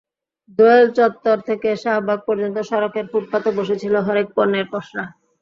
দোয়েল চত্বর থেকে শাহবাগ পর্যন্ত সড়কের ফুটপাতে বসেছিল হরেক পণ্যের পসরা।